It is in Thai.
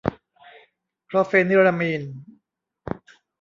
คลอร์เฟนิรามีน